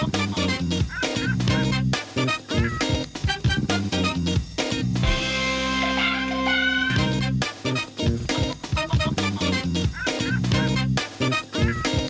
โปรดติดตามตอนต่อไป